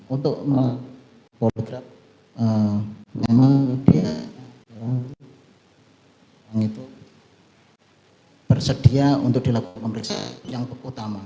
untuk poligraf memang dia bersedia untuk dilakukan pemeriksaan yang utama